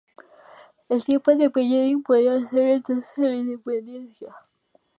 El tiempo de Medellín tampoco sería entonces el de la Independencia.